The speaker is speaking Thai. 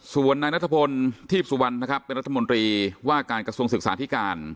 ส่วนนายนัทพลทีพสุวรรณนะครับเป็นรัฐมนตรีว่าการกระทรวงศึกษาธิการ